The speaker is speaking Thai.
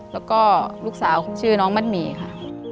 แล้วก็ลูกสาวชื่อน้องมัดหมี่ค่ะ